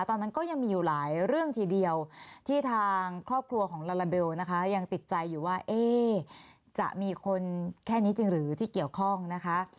ตอนนั้นก็ยังมีอยู่หลายเรื่องทีเดียวที่ทางครอบครัวของลาลาเบลนะคะยังติดใจอยู่ว่าจะมีคนแค่นี้จริงหรือที่เกี่ยวข้องนะคะ